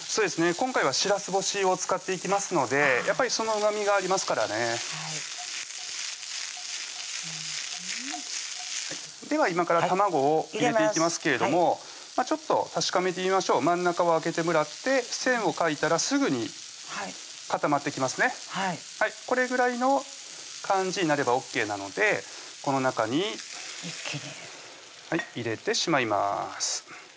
今回はしらす干しを使っていきますのでやっぱりそのうまみがありますからねでは今から卵を入れていきますけれどもちょっと確かめてみましょう真ん中を空けてもらって線を書いたらすぐに固まってきますねはいこれぐらいの感じになればＯＫなのでこの中に一気に入れてしまいます